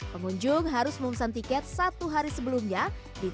yep grey pattern biasa